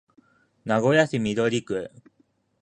名古屋市緑区